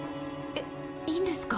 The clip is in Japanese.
えっいいんですか？